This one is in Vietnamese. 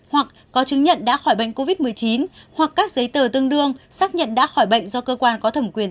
hoặc có chứng nhận đã khỏi bệnh covid một mươi chín hoặc các giấy tờ tương đương xác nhận đã khỏi bệnh do cơ quan có thẩm quyền